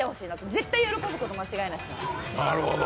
絶対喜ぶこと間違いない。